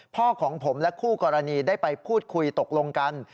พ่อของผมและคู่กรณีได้ไปพูดคุยตกลงกัน